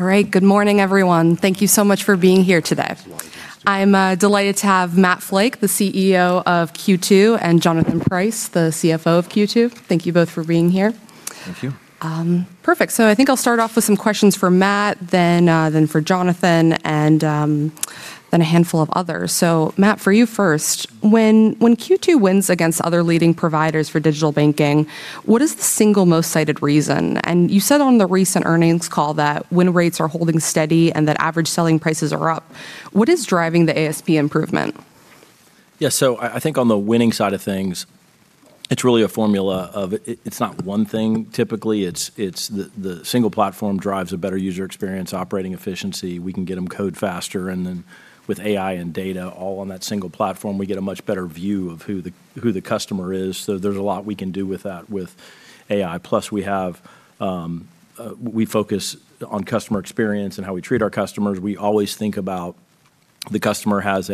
All right. Good morning, everyone. Thank you so much for being here today. I'm delighted to have Matt Flake, the CEO of Q2, and Jonathan Price, the CFO of Q2. Thank you both for being here. Thank you. Perfect. I think I'll start off with some questions for Matt, then for Jonathan, and, then a handful of others. Matt, for you first. When Q2 wins against other leading providers for digital banking, what is the single most cited reason? You said on the recent earnings call that win rates are holding steady and that average selling prices are up. What is driving the ASP improvement? I think on the winning side of things, it's really a formula of it's not 1 thing typically. It's the single platform drives a better user experience, operating efficiency. We can get them code faster, and then with AI and data all on that single platform, we get a much better view of who the customer is. There's a lot we can do with that with AI. Plus we have, we focus on customer experience and how we treat our customers. We always think about the customer has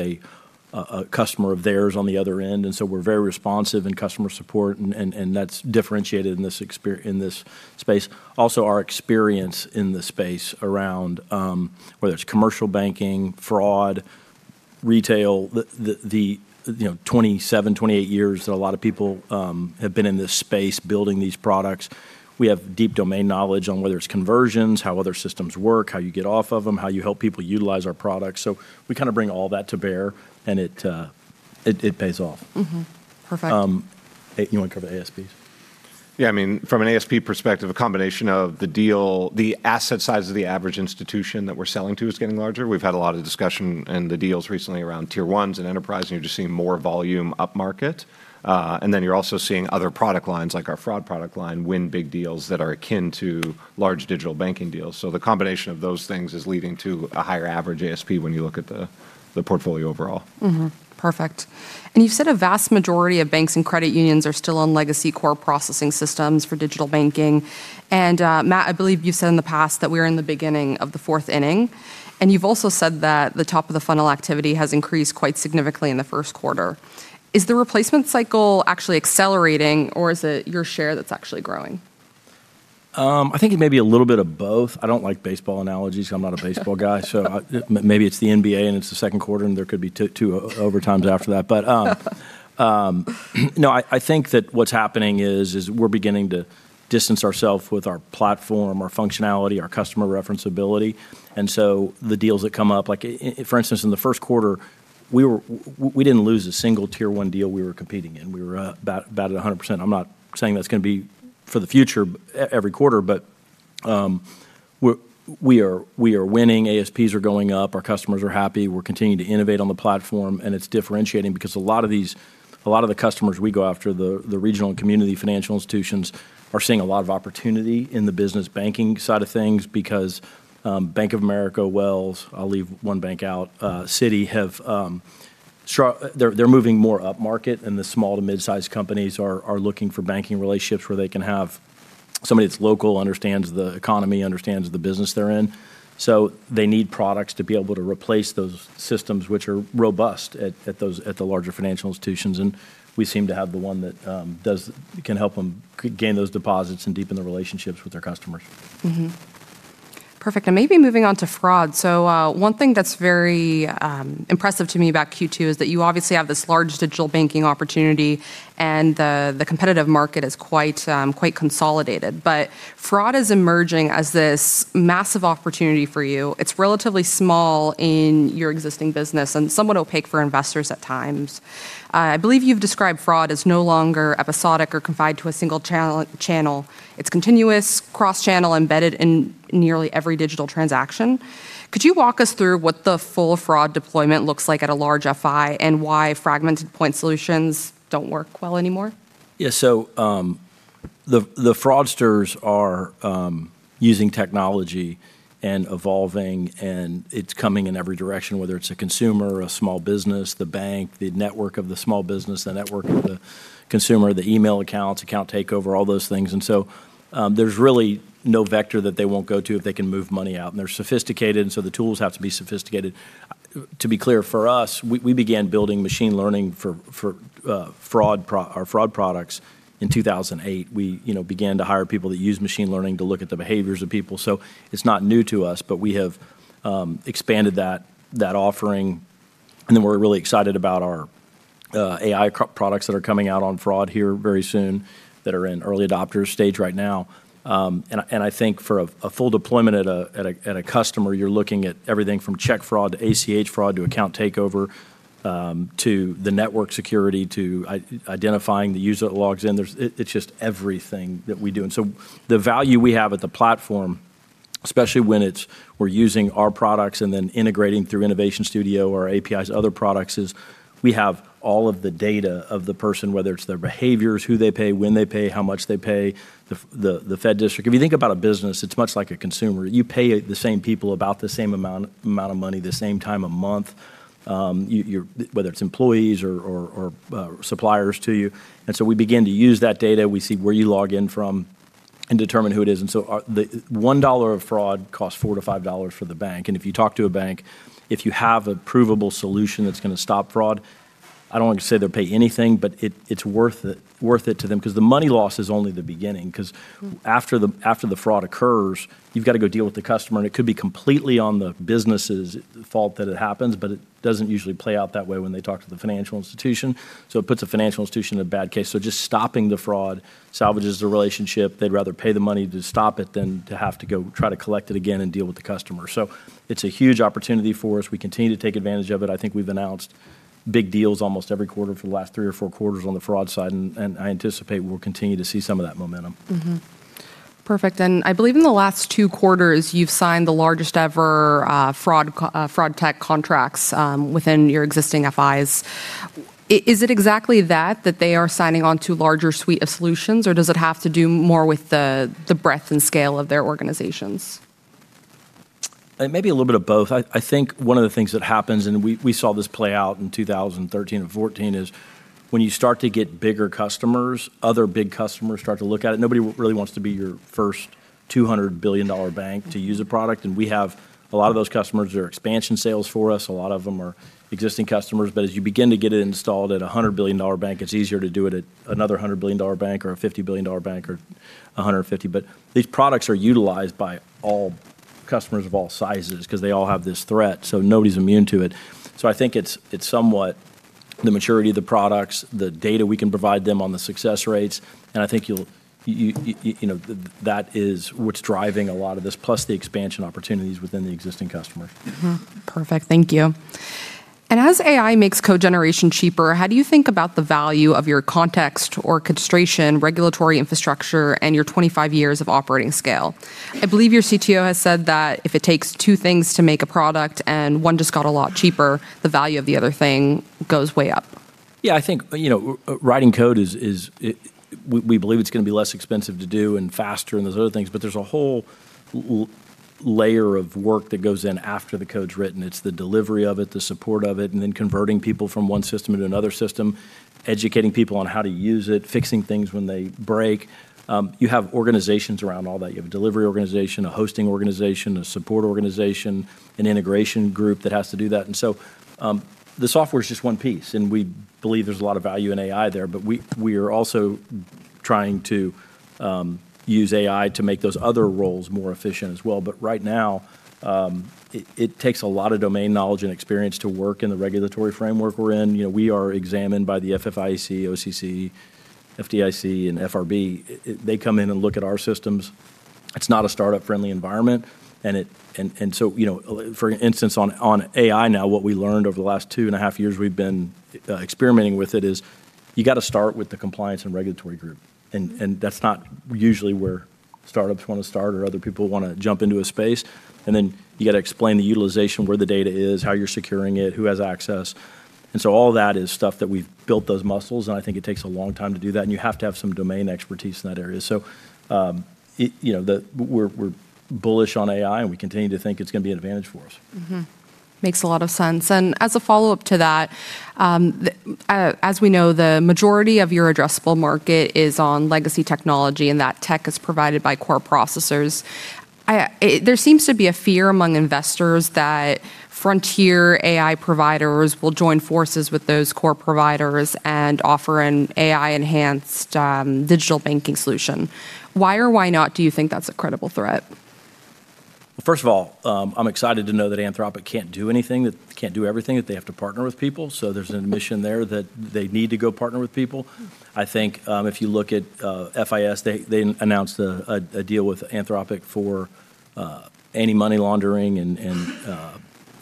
a customer of theirs on the other end, and so we're very responsive in customer support and that's differentiated in this space. Also, our experience in the space around, whether it's commercial banking, fraud, retail. The, you know, 27, 28 years that a lot of people have been in this space building these products. We have deep domain knowledge on whether it's conversions, how other systems work, how you get off of them, how you help people utilize our products. We kind of bring all that to bear and it pays off. Mm-hmm. Perfect. Hey, you want to cover the ASPs? I mean, from an ASP perspective, a combination of the deal. The asset size of the average institution that we're selling to is getting larger. We've had a lot of discussion in the deals recently around tier ones and enterprise, and you're just seeing more volume up market. You're also seeing other product lines, like our fraud product line, win big deals that are akin to large digital banking deals. The combination of those things is leading to a higher average ASP when you look at the portfolio overall. Mm-hmm. Perfect. You've said a vast majority of banks and credit unions are still on legacy core processing systems for digital banking. Matt, I believe you've said in the past that we're in the beginning of the fourth inning, and you've also said that the top of the funnel activity has increased quite significantly in the first quarter. Is the replacement cycle actually accelerating or is it your share that's actually growing? I think it may be a little bit of both. I don't like baseball analogies. I'm not a baseball guy. Maybe it's the NBA and it's the second quarter, and there could be two overtimes after that. No, I think that what's happening is we're beginning to distance ourself with our platform, our functionality, our customer referenceability. The deals that come up, like for instance, in the first quarter, we didn't lose a single tier 1 deal we were competing in. We were about at 100%. I'm not saying that's gonna be for the future every quarter, we are winning. ASPs are going up. Our customers are happy. We're continuing to innovate on the platform. It's differentiating because a lot of the customers we go after, the regional and community financial institutions, are seeing a lot of opportunity in the business banking side of things because Bank of America, Wells, I'll leave one bank out, Citi have, they're moving more upmarket, and the small to mid-sized companies are looking for banking relationships where they can have somebody that's local, understands the economy, understands the business they're in. They need products to be able to replace those systems which are robust at those, at the larger financial institutions, and we seem to have the one that does, can help them gain those deposits and deepen the relationships with their customers. Mm-hmm. Perfect. Maybe moving on to fraud. One thing that's very impressive to me about Q2 is that you obviously have this large digital banking opportunity and the competitive market is quite consolidated. Fraud is emerging as this massive opportunity for you. It's relatively small in your existing business and somewhat opaque for investors at times. I believe you've described fraud as no longer episodic or confined to a single channel. It's continuous, cross-channel, embedded in nearly every digital transaction. Could you walk us through what the full fraud deployment looks like at a large FI and why fragmented point solutions don't work well anymore? Yeah. The fraudsters are using technology and evolving, and it's coming in every direction, whether it's a consumer, a small business, the bank, the network of the small business, the network of the consumer, the email accounts, account takeover, all those things. There's really no vector that they won't go to if they can move money out. They're sophisticated, and so the tools have to be sophisticated. To be clear, for us, we began building machine learning for our fraud products in 2008. We, you know, began to hire people that use machine learning to look at the behaviors of people. It's not new to us, but we have expanded that offering. We're really excited about our AI products that are coming out on fraud here very soon that are in early adopter stage right now. I think for a full deployment at a customer, you're looking at everything from check fraud to ACH fraud to account takeover, to the network security to identifying the user that logs in. It's just everything that we do. The value we have at the platform, especially when it's we're using our products and then integrating through Innovation Studio or APIs to other products, is we have all of the data of the person, whether it's their behaviors, who they pay, when they pay, how much they pay, the Fed District. If you think about a business, it's much like a consumer. You pay the same people about the same amount of money the same time of month, your, whether it's employees or suppliers to you. We begin to use that data. We see where you log in from and determine who it is. Our, the $1 of fraud costs $4-$5 for the bank. If you talk to a bank, if you have a provable solution that's gonna stop fraud-I don't want to say they'll pay anything, but it's worth it to them because the money loss is only the beginning. Because after the fraud occurs, you've got to go deal with the customer, and it could be completely on the business's fault that it happens, but it doesn't usually play out that way when they talk to the financial institution. It puts the financial institution in a bad case. Just stopping the fraud salvages the relationship. They'd rather pay the money to stop it than to have to go try to collect it again and deal with the customer. It's a huge opportunity for us. We continue to take advantage of it. I think we've announced big deals almost every quarter for the last three or four quarters on the fraud side, and I anticipate we'll continue to see some of that momentum. Perfect. I believe in the last two quarters, you've signed the largest ever fraud tech contracts within your existing FIs. Is it exactly that they are signing on to larger suite of solutions, or does it have to do more with the breadth and scale of their organizations? It may be a little bit of both. I think one of the things that happens, and we saw this play out in 2013 and 2014, is when you start to get bigger customers, other big customers start to look at it. Nobody really wants to be your first $200 billion bank to use a product, and we have a lot of those customers are expansion sales for us. A lot of them are existing customers. As you begin to get it installed at a $100 billion bank, it's easier to do it at another $100 billion bank or a $50 billion bank or a $150 billion. These products are utilized by all customers of all sizes because they all have this threat, nobody's immune to it. I think it's somewhat the maturity of the products, the data we can provide them on the success rates, and I think you'll you know, that is what's driving a lot of this, plus the expansion opportunities within the existing customers. Perfect. Thank you. As AI makes code generation cheaper, how do you think about the value of your context, orchestration, regulatory infrastructure, and your 25 years of operating scale? I believe your CTO has said that if it takes two things to make a product and one just got a lot cheaper, the value of the other thing goes way up. Yeah, I think, you know, writing code is, we believe it's gonna be less expensive to do and faster and those other things. There's a whole layer of work that goes in after the code's written. It's the delivery of it, the support of it, and then converting people from one system to another system, educating people on how to use it, fixing things when they break. You have organizations around all that. You have a delivery organization, a hosting organization, a support organization, an integration group that has to do that. The software's just one piece, and we believe there's a lot of value in AI there. We are also trying to use AI to make those other roles more efficient as well. Right now, it takes a lot of domain knowledge and experience to work in the regulatory framework we're in. You know, we are examined by the FFIEC, OCC, FDIC, and FRB. They come in and look at our systems. It's not a startup-friendly environment. You know, for instance, on AI now, what we learned over the last two and a half years we've been experimenting with it is you gotta start with the compliance and regulatory group. That's not usually where startups want to start or other people want to jump into a space. You gotta explain the utilization, where the data is, how you're securing it, who has access. All that is stuff that we've built those muscles, and I think it takes a long time to do that, and you have to have some domain expertise in that area. You know, we're bullish on AI, and we continue to think it's gonna be an advantage for us. Mm-hmm. Makes a lot of sense. As a follow-up to that, as we know, the majority of your addressable market is on legacy technology, and that tech is provided by core processors. There seems to be a fear among investors that frontier AI providers will join forces with those core providers and offer an AI-enhanced digital banking solution. Why or why not do you think that's a credible threat? First of all, I'm excited to know that Anthropic can't do anything, that can't do everything, that they have to partner with people. There's an admission there that they need to go partner with people. I think, if you look at FIS, they announced a deal with Anthropic for anti-money laundering and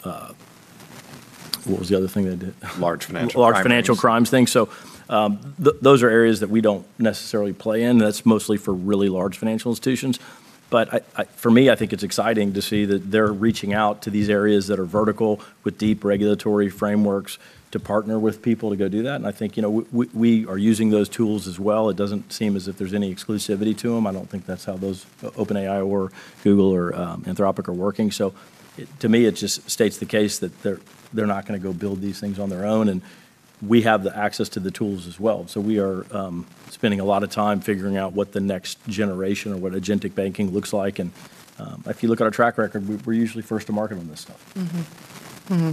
What was the other thing they did? Large financial crimes. Large financial crimes thing. Those are areas that we don't necessarily play in. That's mostly for really large financial institutions. For me, I think it's exciting to see that they're reaching out to these areas that are vertical with deep regulatory frameworks to partner with people to go do that, and I think, you know, we are using those tools as well. It doesn't seem as if there's any exclusivity to them. I don't think that's how those, OpenAI or Google or Anthropic are working. To me, it just states the case that they're not gonna go build these things on their own, and we have the access to the tools as well. We are spending a lot of time figuring out what the next generation or what agentic banking looks like. If you look at our track record, we're usually first to market on this stuff. Mm-hmm. Mm-hmm.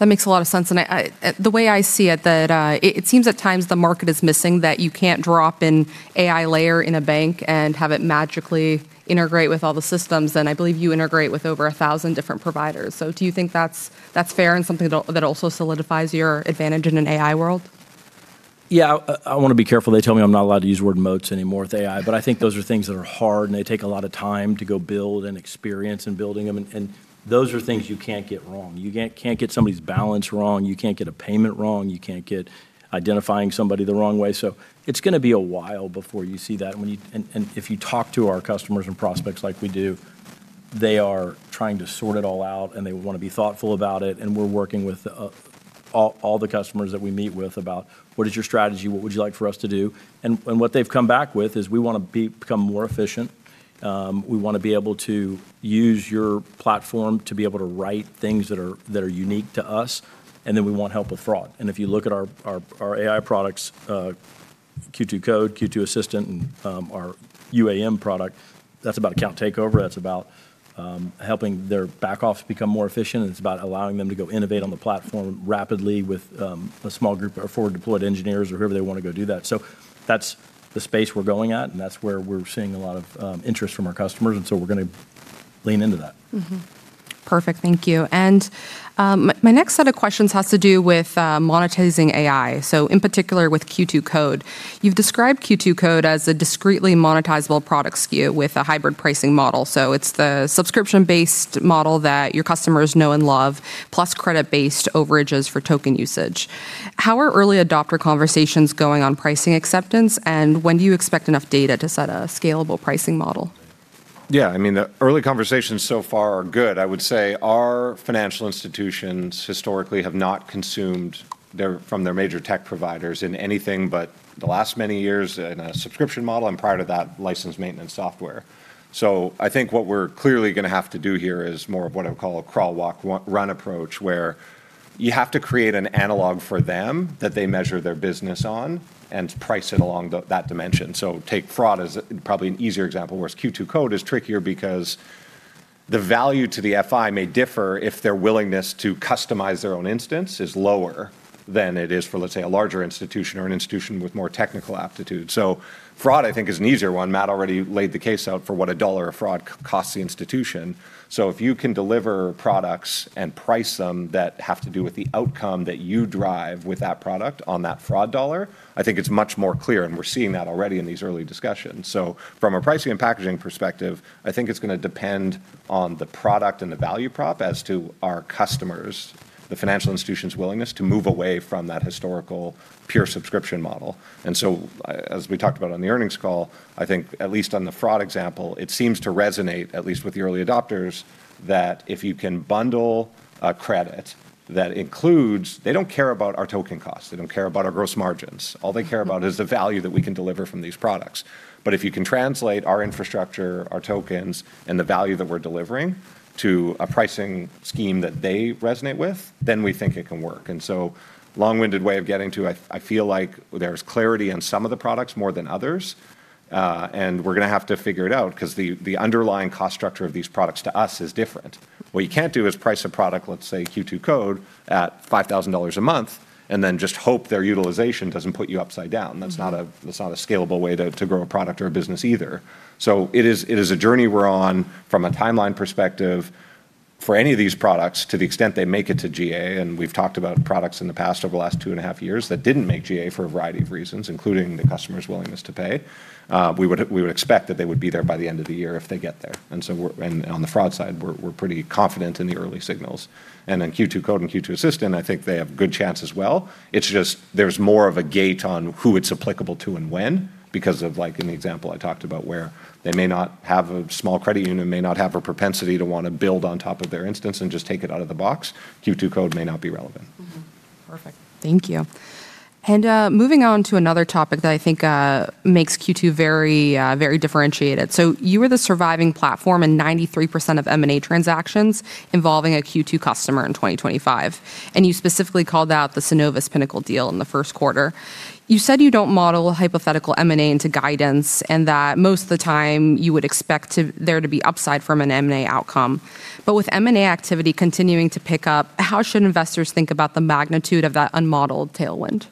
That makes a lot of sense. I The way I see it, that it seems at times the market is missing that you can't drop an AI layer in a bank and have it magically integrate with all the systems, and I believe you integrate with over 1,000 different providers. Do you think that's fair and something that also solidifies your advantage in an AI world? Yeah. I wanna be careful. They tell me I'm not allowed to use the word moats anymore with AI. I think those are things that are hard, and they take a lot of time to go build and experience in building them. Those are things you can't get wrong. You can't get somebody's balance wrong. You can't get a payment wrong. You can't get identifying somebody the wrong way. It's gonna be a while before you see that. If you talk to our customers and prospects like we do, they are trying to sort it all out, and they wanna be thoughtful about it, and we're working with all the customers that we meet with about what is your strategy, what would you like for us to do. What they've come back with is we wanna become more efficient. We wanna be able to use your platform to be able to write things that are unique to us, and then we want help with fraud. If you look at our AI products, Q2 Code, Andi, and our UAM product. That's about account takeover, that's about helping their back office become more efficient, and it's about allowing them to go innovate on the platform rapidly with a small group of forward-deployed engineers or whoever they wanna go do that. That's the space we're going at, and that's where we're seeing a lot of interest from our customers, and so we're gonna lean into that. Perfect, thank you. My next set of questions has to do with monetizing AI. In particular with Q2 Code. You've described Q2 Code as a discretely monetizable product SKU with a hybrid pricing model. It's the subscription-based model that your customers know and love, plus credit-based overages for token usage. How are early adopter conversations going on pricing acceptance, and when do you expect enough data to set a scalable pricing model? Yeah, I mean, the early conversations so far are good. I would say our financial institutions historically have not consumed from their major tech providers in anything but the last many years in a subscription model, and prior to that, license and maintenance software. I think what we're clearly going to have to do here is more of what I would call a crawl, walk, run approach, where you have to create an analog for them that they measure their business on and price it along that dimension. Take fraud as probably an easier example, whereas Q2 Code is trickier because the value to the FI may differ if their willingness to customize their own instance is lower than it is for, let's say, a larger institution or an institution with more technical aptitude. Fraud, I think, is an easier one. Matt already laid the case out for what $1 of fraud costs the institution. If you can deliver products and price them that have to do with the outcome that you drive with that product on that fraud dollar, I think it's much more clear, and we're seeing that already in these early discussions. From a pricing and packaging perspective, I think it's gonna depend on the product and the value prop as to our customers, the financial institution's willingness to move away from that historical pure subscription model. As we talked about on the earnings call, I think at least on the fraud example, it seems to resonate, at least with the early adopters, that if you can bundle a credit that includes They don't care about our token cost. They don't care about our gross margins. All they care about is the value that we can deliver from these products. If you can translate our infrastructure, our tokens, and the value that we're delivering to a pricing scheme that they resonate with, then we think it can work. Long-winded way of getting to I feel like there's clarity on some of the products more than others. We're gonna have to figure it out because the underlying cost structure of these products to us is different. What you can't do is price a product, let's say Q2 Code, at $5,000 a month and then just hope their utilization doesn't put you upside down. That's not a scalable way to grow a product or a business either. It is a journey we're on from a timeline perspective for any of these products to the extent they make it to GA, and we've talked about products in the past over the last 2.5 years that didn't make GA for a variety of reasons, including the customer's willingness to pay. We would expect that they would be there by the end of the year if they get there. On the fraud side, we're pretty confident in the early signals. Q2 Code and Q2 Assistant, I think they have a good chance as well. It's just there's more of a gate on who it's applicable to and when because of like in the example I talked about, where they may not have a small credit union may not have a propensity to wanna build on top of their instance and just take it out of the box. Q2 Code may not be relevant. Mm-hmm. Perfect. Thank you. Moving on to another topic that I think makes Q2 very, very differentiated. You were the surviving platform in 93% of M&A transactions involving a Q2 customer in 2025, and you specifically called out the Synovus Pinnacle deal in the first quarter. You said you don't model hypothetical M&A into guidance and that most of the time you would expect there to be upside from an M&A outcome. With M&A activity continuing to pick up, how should investors think about the magnitude of that unmodeled tailwind? Yeah,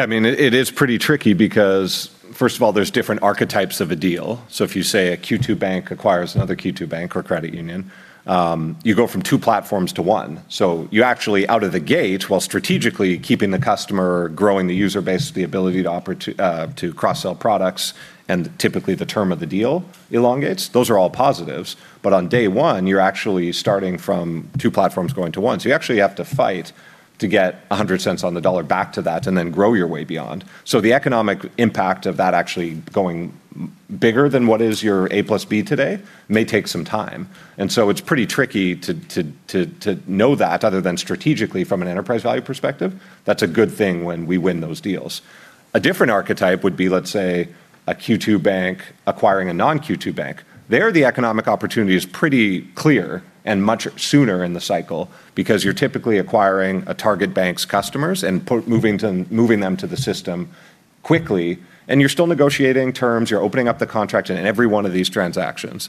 I mean, it is pretty tricky because first of all, there's different archetypes of a deal. If you say a Q2 bank acquires another Q2 bank or credit union, you go from two platforms to one. You actually out of the gate, while strategically keeping the customer growing the user base, the ability to cross-sell products and typically the term of the deal elongates, those are all positives. On day one, you're actually starting from two platforms going to one. You actually have to fight to get $1.00 on the dollar back to that and then grow your way beyond. The economic impact of that actually going bigger than what is your A plus B today may take some time. It's pretty tricky to know that other than strategically from an enterprise value perspective. That's a good thing when we win those deals. A different archetype would be, let's say, a Q2 bank acquiring a non-Q2 bank. There, the economic opportunity is pretty clear and much sooner in the cycle because you're typically acquiring a target bank's customers and moving them to the system quickly, and you're still negotiating terms, you're opening up the contract in every one of these transactions.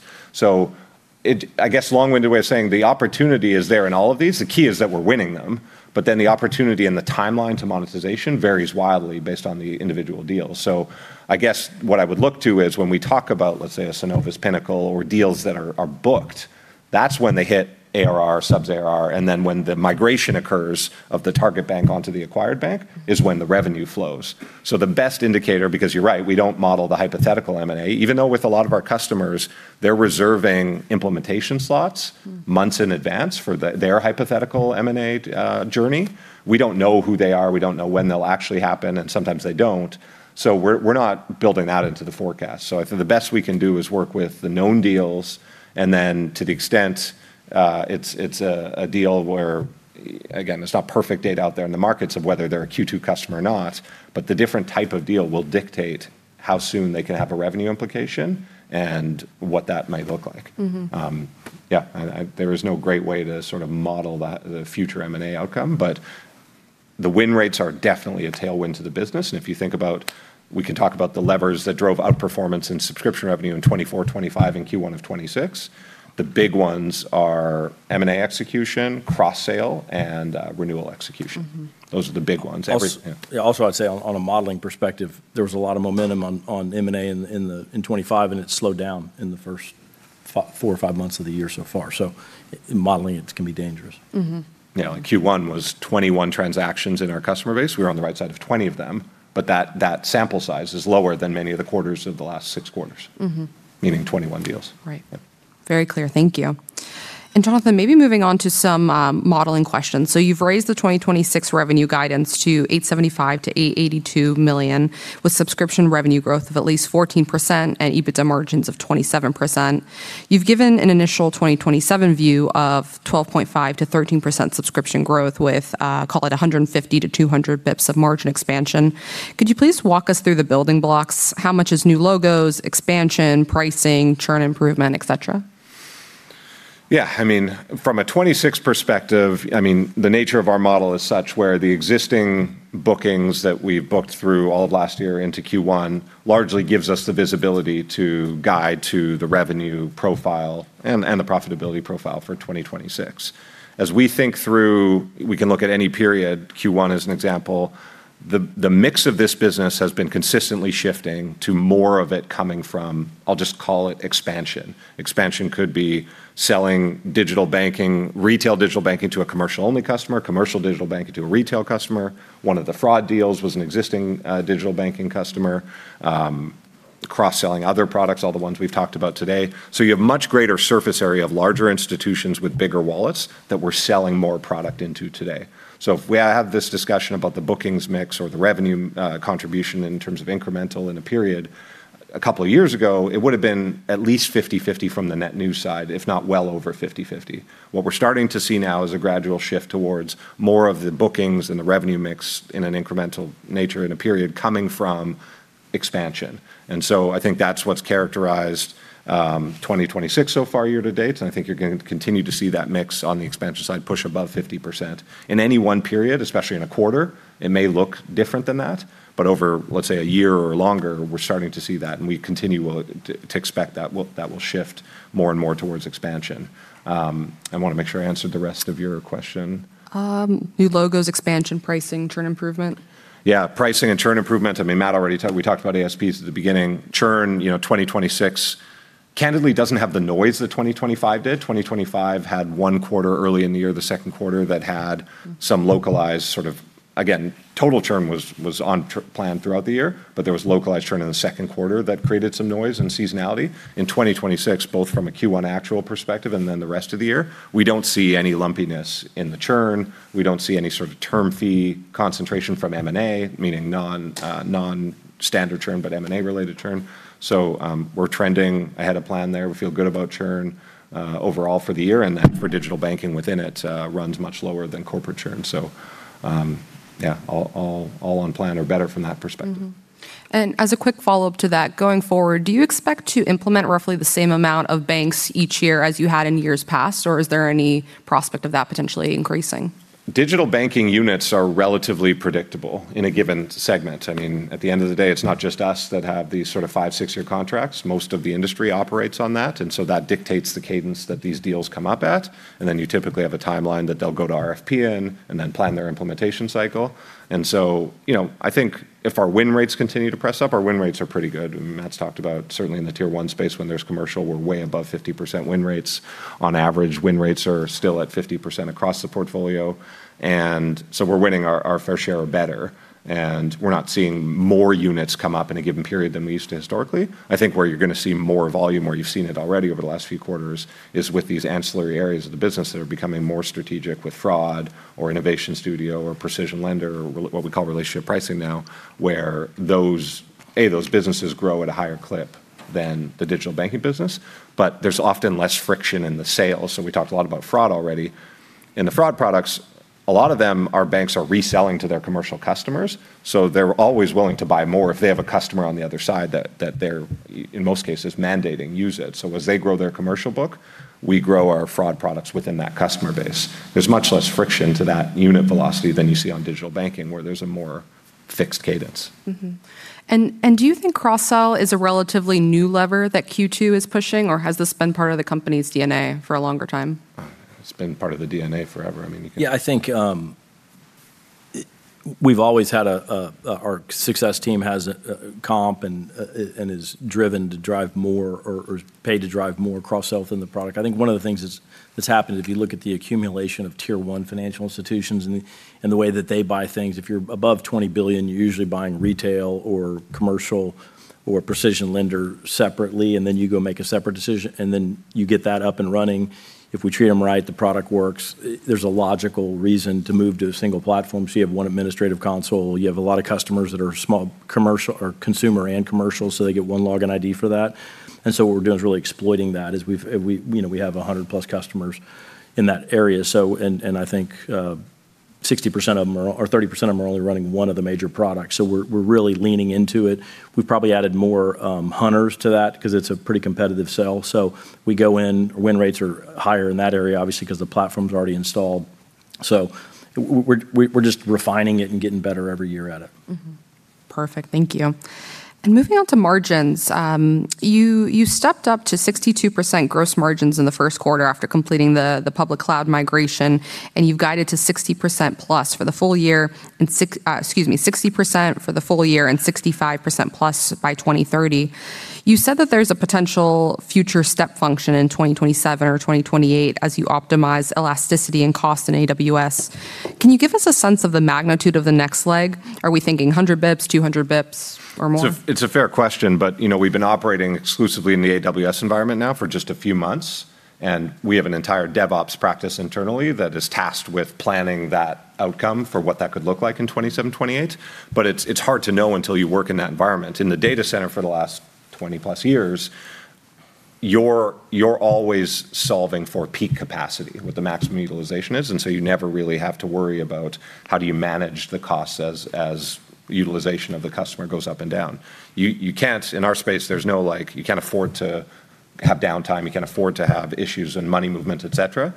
I guess long-winded way of saying the opportunity is there in all of these. The key is that we're winning them, but then the opportunity and the timeline to monetization varies wildly based on the individual deals. I guess what I would look to is when we talk about, let's say, a Synovus Pinnacle or deals that are booked, that's when they hit ARR, sub-ARR, and then when the migration occurs of the target bank onto the acquired bank is when the revenue flows. The best indicator, because you're right, we don't model the hypothetical M&A, even though with a lot of our customers, they're reserving implementation slots months in advance for their hypothetical M&A journey. We don't know who they are, we don't know when they'll actually happen, and sometimes they don't. We're not building that into the forecast. I think the best we can do is work with the known deals, and then to the extent it's a deal where, again, there's not perfect data out there in the markets of whether they're a Q2 customer or not, but the different type of deal will dictate how soon they can have a revenue implication, and what that may look like. Yeah, I There is no great way to sort of model that, the future M&A outcome. The win rates are definitely a tailwind to the business. If you think about, we can talk about the levers that drove outperformance in subscription revenue in 2024, 2025, and Q1 of 2026. The big ones are M&A execution, cross-sell, and renewal execution. Those are the big ones. Also- Yeah. Yeah, also I'd say on a modeling perspective, there was a lot of momentum on M&A in 2025, it slowed down in the first four or five months of the year so far. In modeling, it can be dangerous. Like Q1 was 21 transactions in our customer base. We were on the right side of 20 of them, but that sample size is lower than many of the quarters of the last six quarters. Meaning 21 deals. Right. Yeah. Very clear. Thank you. Jonathan, maybe moving on to some modeling questions. You've raised the 2026 revenue guidance to $875 million-$882 million, with subscription revenue growth of at least 14% and EBITDA margins of 27%. You've given an initial 2025 view of 12.5%-13% subscription growth with, call it 150-200 basis points of margin expansion. Could you please walk us through the building blocks? How much is new logos, expansion, pricing, churn improvement, et cetera? I mean, from a 2026 perspective, I mean, the nature of our model is such where the existing bookings that we've booked through all of last year into Q1 largely gives us the visibility to guide to the revenue profile and the profitability profile for 2026. As we think through, we can look at any period, Q1 as an example, the mix of this business has been consistently shifting to more of it coming from, I'll just call it expansion. Expansion could be selling digital banking, retail digital banking to a commercial-only customer, commercial digital banking to a retail customer. One of the fraud deals was an existing digital banking customer. Cross-selling other products, all the 1s we've talked about today. You have much greater surface area of larger institutions with bigger wallets that we're selling more product into today. If we have this discussion about the bookings mix or the revenue contribution in terms of incremental in a period, a couple of years ago, it would've been at least 50/50 from the net new side, if not well over 50/50. What we're starting to see now is a gradual shift towards more of the bookings and the revenue mix in an incremental nature in a period coming from expansion. I think that's what's characterized 2026 so far year to date, and I think you're gonna continue to see that mix on the expansion side push above 50%. In any one period, especially in a quarter, it may look different than that, but over, let's say, a year or longer, we're starting to see that, and we continue to expect that will shift more and more towards expansion. I wanna make sure I answered the rest of your question. New logos, expansion, pricing, churn improvement. Pricing and churn improvement, I mean, We talked about ASPs at the beginning. Churn, you know, 2026 candidly doesn't have the noise that 2025 did. 2025 had one quarter early in the year, the second quarter. Some localized sort of Again, total churn was on plan throughout the year, but there was localized churn in the second quarter that created some noise and seasonality. In 2026, both from a Q1 actual perspective and then the rest of the year, we don't see any lumpiness in the churn. We don't see any sort of term fee concentration from M&A, meaning non-standard churn, but M&A-related churn. We're trending ahead of plan there. We feel good about churn overall for the year, and that for digital banking within it runs much lower than corporate churn. All on plan or better from that perspective. As a quick follow-up to that, going forward, do you expect to implement roughly the same amount of banks each year as you had in years past, or is there any prospect of that potentially increasing? Digital banking units are relatively predictable in a given segment. I mean, at the end of the day, it's not just us that have these sort of five, -year contracts. Most of the industry operates on that, and so that dictates the cadence that these deals come up at. Then you typically have a timeline that they'll go to RFP in and then plan their implementation cycle. So, you know, I think if our win rates continue to press up, our win rates are pretty good. Matt's talked about certainly in the tier one space when there's commercial, we're way above 50% win rates. On average, win rates are still at 50% across the portfolio. So we're winning our fair share or better, and we're not seeing more units come up in a given period than we used to historically. I think where you're gonna see more volume, where you've seen it already over the last few quarters, is with these ancillary areas of the business that are becoming more strategic with fraud or Innovation Studio or PrecisionLender or what we call Relationship Pricing now, where those businesses grow at a higher clip than the digital banking business, but there's often less friction in the sale. We talked a lot about fraud already. In the fraud products, a lot of them banks are reselling to their commercial customers. They're always willing to buy more if they have a customer on the other side that they're in most cases mandating use it. As they grow their commercial book, we grow our fraud products within that customer base. There's much less friction to that unit velocity than you see on digital banking, where there's a more fixed cadence. Do you think cross-sell is a relatively new lever that Q2 is pushing, or has this been part of the company's DNA for a longer time? It's been part of the DNA forever. I mean. Yeah, I think, we've always had a, our success team has a comp and is driven to drive more or paid to drive more cross-sell within the product. I think one of the things that's happened if you look at the accumulation of tier one financial institutions and the way that they buy things, if you're above $20 billion, you're usually buying retail or commercial or PrecisionLender separately, and then you go make a separate decision. You get that up and running. If we treat them right, the product works. There's a logical reason to move to a single platform, so you have one administrative console. You have a lot of customers that are small commercial or consumer and commercial, so they get one login ID for that. What we're doing is really exploiting that as we have 100+ customers in that area. And I think 60% of 'em are, or 30% of 'em are only running one of the major products, so we're really leaning into it. We've probably added more hunters to that 'cause it's a pretty competitive sell, so we go in, win rates are higher in that area obviously 'cause the platform's already installed. We're just refining it and getting better every year at it. Perfect, thank you. Moving on to margins, you stepped up to 62% gross margins in the first quarter after completing the public cloud migration, and you've guided to 60% plus for the full year, and 60% for the full year and 65% plus by 2030. You said that there's a potential future step function in 2027 or 2028 as you optimize elasticity and cost in AWS. Can you give us a sense of the magnitude of the next leg? Are we thinking 100 basis points, 200 basis points, or more? It's a fair question, you know, we've been operating exclusively in the AWS environment now for just a few months, and we have an entire DevOps practice internally that is tasked with planning that outcome for what that could look like in 2027, 2028. It's hard to know until you work in that environment. In the data center for the last 20+ years, you're always solving for peak capacity, what the maximum utilization is, you never really have to worry about how do you manage the costs as utilization of the customer goes up and down. You can't in our space there's no like, you can't afford to have downtime, you can't afford to have issues in money movement, et cetera.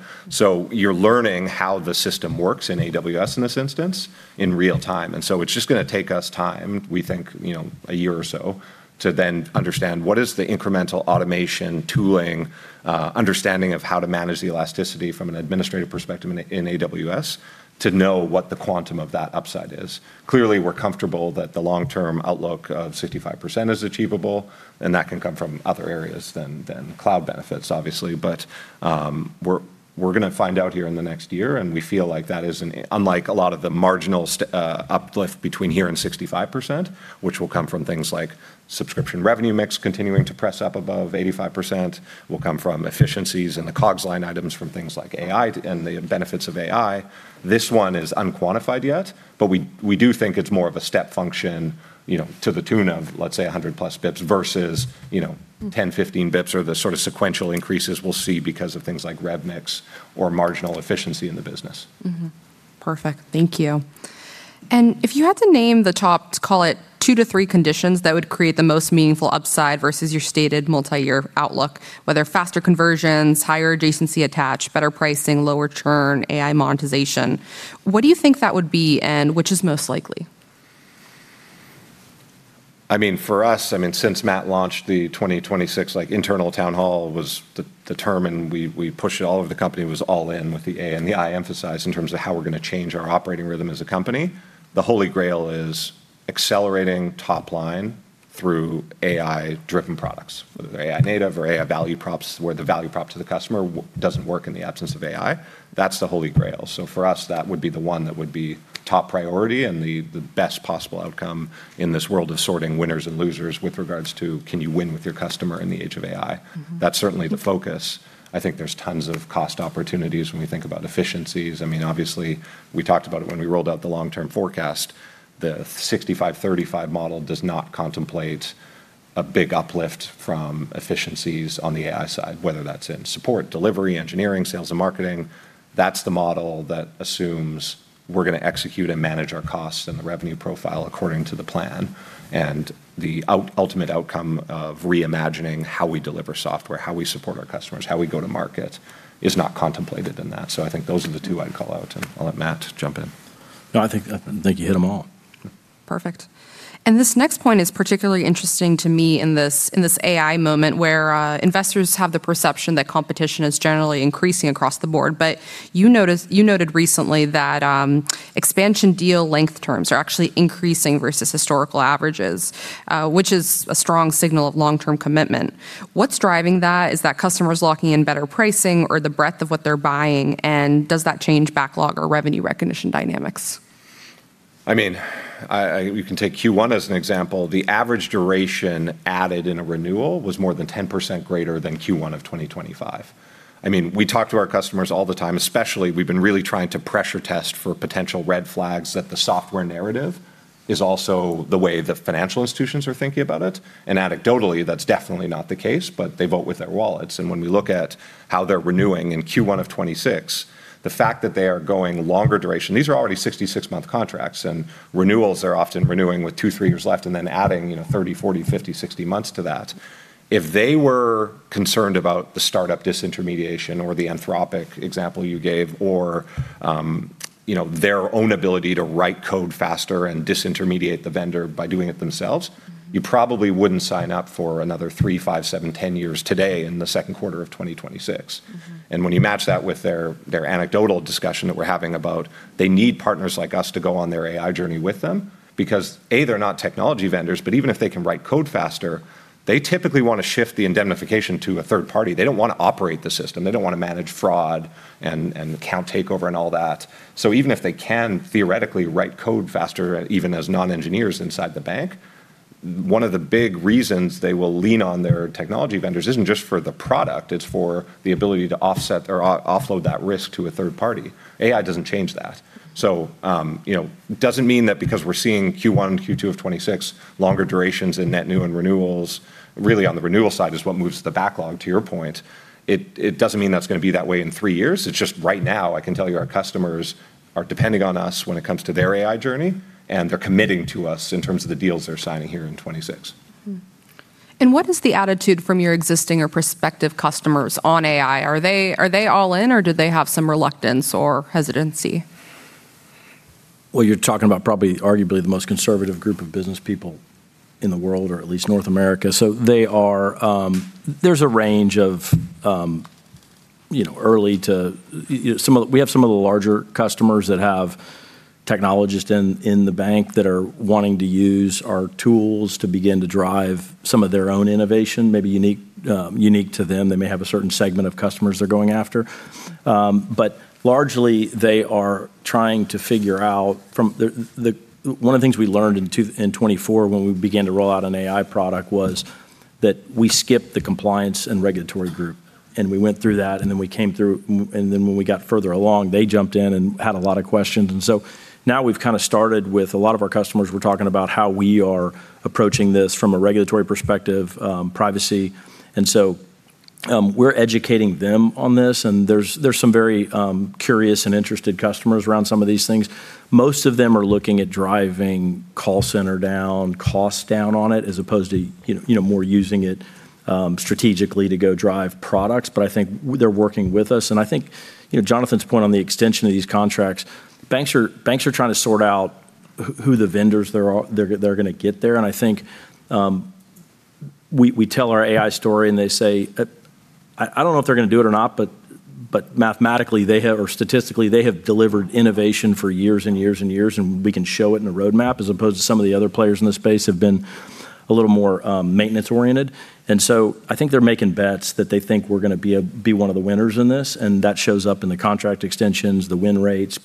You're learning how the system works in AWS in this instance in real time, and so it's just gonna take us time, we think, you know, a year or so, to then understand what is the incremental automation, tooling, understanding of how to manage the elasticity from an administrative perspective in AWS to know what the quantum of that upside is. Clearly we're comfortable that the long-term outlook of 65% is achievable, and that can come from other areas than cloud benefits obviously. We're gonna find out here in the next year. We feel like that is an unlike a lot of the marginal uplift between here and 65%, which will come from things like subscription revenue mix continuing to press up above 85%, will come from efficiencies in the COGS line items from things like AI and the benefits of AI. This one is unquantified yet, but we do think it's more of a step function, you know, to the tune of, let's say 100+ basis points versus 10, 15 basis points or the sort of sequential increases we'll see because of things like rev mix or marginal efficiency in the business. Perfect, thank you. If you had to name the top, let's call it two to three conditions that would create the most meaningful upside versus your stated multi-year outlook, whether faster conversions, higher adjacency attach, better pricing, lower churn, AI monetization, what do you think that would be, and which is most likely? I mean, for us, I mean, since Matt launched the 2026 like internal town hall was determined, we pushed it all over the company was all in with the AI emphasized in terms of how we're gonna change our operating rhythm as a company. The holy grail is accelerating top line through AI-driven products, whether they're AI native or AI value props where the value prop to the customer doesn't work in the absence of AI. That's the holy grail. For us, that would be the one that would be top priority and the best possible outcome in this world of sorting winners and losers with regards to can you win with your customer in the age of AI. That's certainly the focus. I think there's tons of cost opportunities when we think about efficiencies. I mean, obviously we talked about it when we rolled out the long-term forecast. The 65/35 model does not contemplate a big uplift from efficiencies on the AI side, whether that's in support, delivery, engineering, sales, and marketing. That's the model that assumes we're gonna execute and manage our costs and the revenue profile according to the plan, and the ultimate outcome of reimagining how we deliver software, how we support our customers, how we go to market is not contemplated in that. I think those are the two I'd call out, and I'll let Matt jump in. I think you hit 'em all. Perfect. This next point is particularly interesting to me in this, in this AI moment where investors have the perception that competition is generally increasing across the board. You noted recently that expansion deal length terms are actually increasing versus historical averages, which is a strong signal of long-term commitment. What's driving that? Is that customers locking in better pricing or the breadth of what they're buying, and does that change backlog or revenue recognition dynamics? I mean, I, we can take Q1 as an example. The average duration added in a renewal was more than 10% greater than Q1 of 2025. I mean, we talk to our customers all the time, especially we've been really trying to pressure test for potential red flags that the software narrative is also the way the financial institutions are thinking about it. Anecdotally, that's definitely not the case, but they vote with their wallets. When we look at how they're renewing in Q1 of 2026, the fact that they are going longer duration, these are already 66-month contracts, and renewals are often renewing with two, three years left and then adding, you know, 30, 40, 50, 60 months to that. If they were concerned about the startup disintermediation or the Anthropic example you gave or, you know, their own ability to write code faster and disintermediate the vendor by doing it themselves, you probably wouldn't sign up for another three, five, seven, 10 years today in the second quarter of 2026. When you match that with their anecdotal discussion that we're having about they need partners like us to go on their AI journey with them because, A, they're not technology vendors, but even if they can write code faster, they typically wanna shift the indemnification to a third party. They don't wanna operate the system. They don't wanna manage fraud and account takeover and all that. Even if they can theoretically write code faster, even as non-engineers inside the bank, one of the big reasons they will lean on their technology vendors isn't just for the product, it's for the ability to offset or offload that risk to a third party. AI doesn't change that. You know, doesn't mean that because we're seeing Q1, Q2 of 2026 longer durations in net new and renewals, really on the renewal side is what moves the backlog to your point. It doesn't mean that's gonna be that way in three years. It's just right now I can tell you our customers are depending on us when it comes to their AI journey, and they're committing to us in terms of the deals they're signing here in 2026. What is the attitude from your existing or prospective customers on AI? Are they all in or do they have some reluctance or hesitancy? You're talking about probably arguably the most conservative group of business people in the world, or at least North America. They are, There's a range of, you know, early to you we have some of the larger customers that have technologists in the bank that are wanting to use our tools to begin to drive some of their own innovation, maybe unique to them. They may have a certain segment of customers they're going after. Largely they are trying to figure out from the One of the things we learned in 2024 when we began to roll out an AI product was that we skipped the compliance and regulatory group, and we went through that, and then we came through, and then when we got further along, they jumped in and had a lot of questions. Now we've kind of started with a lot of our customers, we're talking about how we are approaching this from a regulatory perspective, privacy. We're educating them on this and there's some very curious and interested customers around some of these things. Most of them are looking at driving call center down, costs down on it, as opposed to, you know, more using it strategically to go drive products. I think they're working with us and I think, you know, Jonathan's point on the extension of these contracts, banks are trying to sort out who the vendors they're gonna get there. I think we tell our AI story and they say, I don't know if they're gonna do it or not, but mathematically they have, or statistically, they have delivered innovation for years and years and years, and we can show it in a roadmap, as opposed to some of the other players in the space have been a little more maintenance oriented. I think they're making bets that they think we're gonna be one of the winners in this, and that shows up in the contract extensions, the win rates.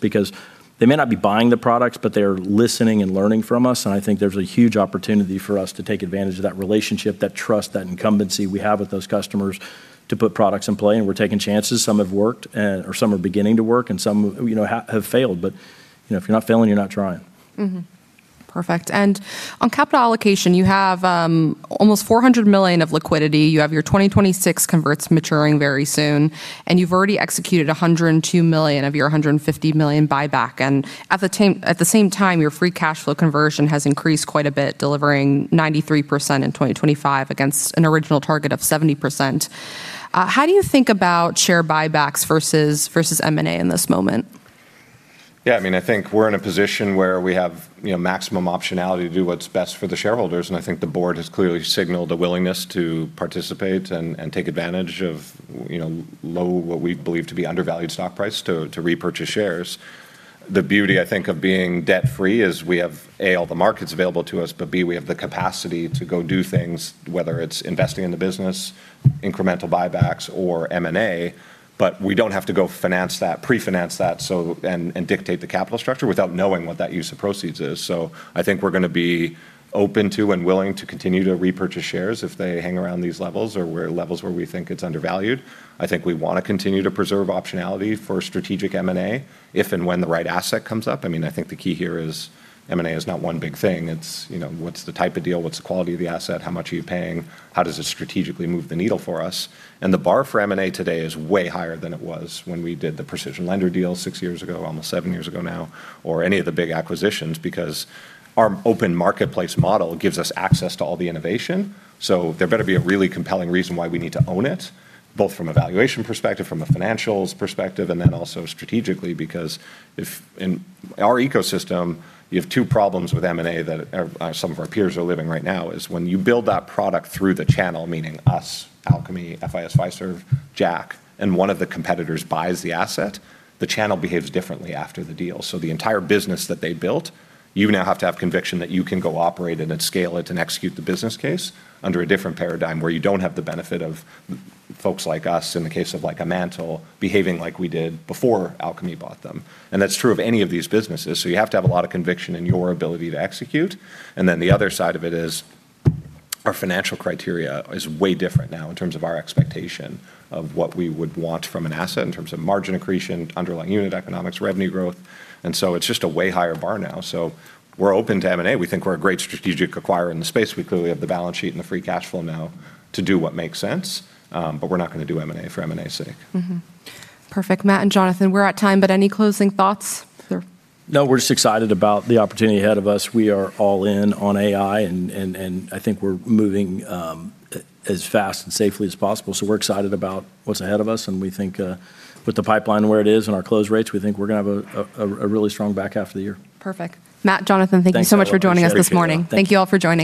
They may not be buying the products, but they are listening and learning from us, and I think there's a huge opportunity for us to take advantage of that relationship, that trust, that incumbency we have with those customers to put products in play, and we're taking chances. Some have worked and, or some are beginning to work and some, you know, have failed. You know, if you're not failing, you're not trying. Perfect. On capital allocation, you have almost $400 million of liquidity. You have your 2026 converts maturing very soon. You've already executed $102 million of your $150 million buyback. At the same time, your free cash flow conversion has increased quite a bit, delivering 93% in 2025 against an original target of 70%. How do you think about share buybacks versus M&A in this moment? Yeah, I mean, I think we're in a position where we have, you know, maximum optionality to do what's best for the shareholders, and I think the board has clearly signaled a willingness to participate and take advantage of, you know, low, what we believe to be undervalued stock price to repurchase shares. The beauty, I think, of being debt-free is we have, A, all the markets available to us, but B, we have the capacity to go do things, whether it's investing in the business, incremental buybacks or M&A, but we don't have to go finance that, pre-finance that so and dictate the capital structure without knowing what that use of proceeds is. I think we're gonna be open to and willing to continue to repurchase shares if they hang around these levels or levels where we think it's undervalued. I think we want to continue to preserve optionality for strategic M&A if and when the right asset comes up. I mean, I think the key here is M&A is not one big thing. It's, you know, what's the type of deal? What's the quality of the asset? How much are you paying? How does it strategically move the needle for us? The bar for M&A today is way higher than it was when we did the PrecisionLender deal six years ago, almost seven years ago now, or any of the big acquisitions, because our open marketplace model gives us access to all the innovation. There better be a really compelling reason why we need to own it, both from a valuation perspective, from a financials perspective, and then also strategically. If in our ecosystem you have two problems with M&A that some of our peers are living right now is when you build that product through the channel, meaning us, Alkami, Fiserv, Jack, and one of the competitors buys the asset, the channel behaves differently after the deal. The entire business that they built, you now have to have conviction that you can go operate it and scale it and execute the business case under a different paradigm where you don't have the benefit of folks like us in the case of like a MANTL behaving like we did before Alkami bought them. That's true of any of these businesses. You have to have a lot of conviction in your ability to execute. The other side of it is our financial criteria is way different now in terms of our expectation of what we would want from an asset in terms of margin accretion, underlying unit economics, revenue growth. It's just a way higher bar now. We're open to M&A. We think we're a great strategic acquirer in the space. We clearly have the balance sheet and the free cash flow now to do what makes sense. But we're not gonna do M&A for M&A's sake. Perfect. Matt and Jonathan, we're at time, but any closing thoughts? No, we're just excited about the opportunity ahead of us. We are all in on AI and I think we're moving as fast and safely as possible. We're excited about what's ahead of us and we think with the pipeline where it is and our close rates, we think we're gonna have a really strong back half of the year. Perfect. Matt, Jonathan- Thanks, Ella. Appreciate it. Thank you so much for joining us this morning. Thank you, Ella. Thank you all for joining.